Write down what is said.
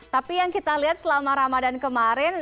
tapi yang kita lihat selama ramadan kemarin